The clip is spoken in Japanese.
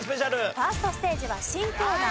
ファーストステージは新コーナー